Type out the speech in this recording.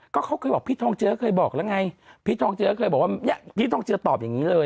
ก็เขาเคยบอกพี่ทองเจือเคยบอกแล้วไงพี่ทองเจือเคยบอกว่าเนี่ยพี่ทองเจือตอบอย่างนี้เลย